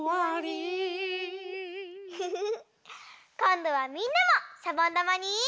こんどはみんなもしゃぼんだまに。